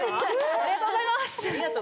ありがとうございます！